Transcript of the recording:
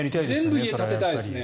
全部、家建てたいですね。